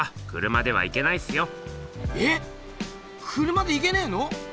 車で行けねえの？